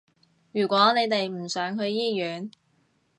如果你哋唔想去醫院